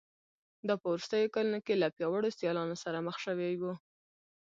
دا په وروستیو کلونو کې له پیاوړو سیالانو سره مخ شوی و